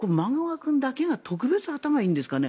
君だけが特別に頭がいいんですかね？